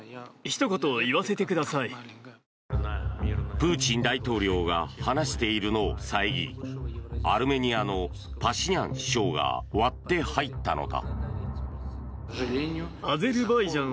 プーチン大統領が話しているのを遮りアルメニアのパシニャン首相が割って入ったのだ。